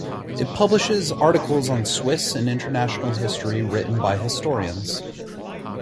It publishes articles on Swiss and international history written by historians.